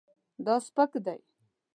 دا سپک دی